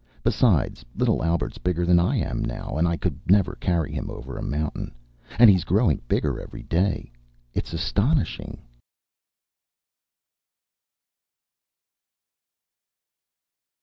Besides, little Albert's bigger than I am now, and I could never carry him over a mountain. And he's growing bigger every day. It's astonishing.